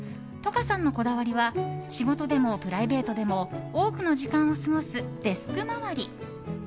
ｔｏｋａさんのこだわりは仕事でもプライベートでも多くの時間を過ごすデスク周り。